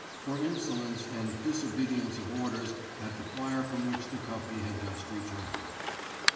— for insolence and disobedience of orders at the fire from which the company had just returned.